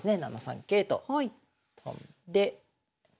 ７三桂と跳んで。